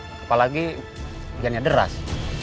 apalagi bagiannya deras